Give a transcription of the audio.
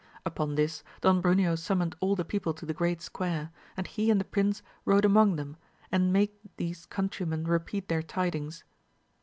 Upon this Don Bruneo summoned all the people to the great square, and he and the prince rode among them, and made these countrymen repeat their tidings.